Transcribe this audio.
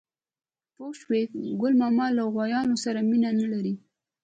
_پوه شوې؟ ګل ماما له غوايانو سره مينه نه لري.